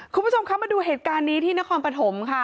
คุณผู้ชมคะมาดูเหตุการณ์นี้ที่นครปฐมค่ะ